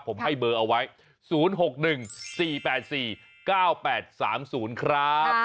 ผมให้เบอร์เอาไว้๐๖๑๔๘๔๙๘๓๐ครับ